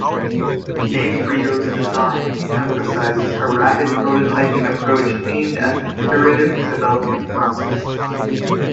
Gamebryo's design emphasises a rapid prototyping approach aimed at an iterative development process.